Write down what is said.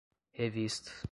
revista